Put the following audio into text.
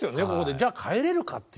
じゃあ帰れるかっていうとね。